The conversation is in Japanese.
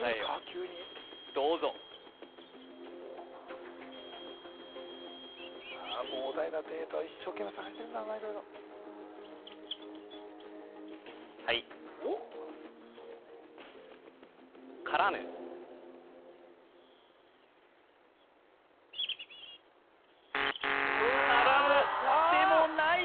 急にさあ膨大なデータを一生懸命探してるんだろうな色々はいおっからむでもない